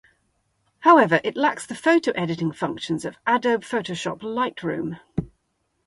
However, it lacks the photo editing functions of Adobe Photoshop Lightroom.